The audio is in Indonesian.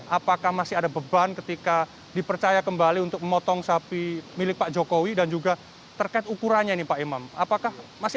apakah masih ada beban ketika dipercaya kembali untuk memotong sapi milik pak jokowi dan juga terkait ukurannya ini pak imam